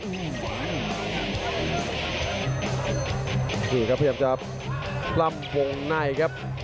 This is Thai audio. ดูครับเพื่อพยายามจะพร่ำวงในครับ